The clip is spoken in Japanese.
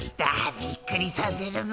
びっくりさせるぞ。